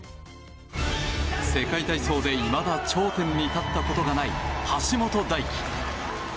世界体操でいまだ頂点に立ったことがない橋本大輝。